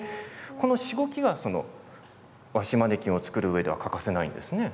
このしごきが和紙マネキンを作るうえでは欠かせないんですね。